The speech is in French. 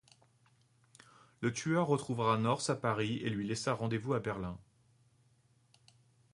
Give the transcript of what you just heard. Le tueur retrouva North à Paris et lui laissa rendez-vous à Berlin.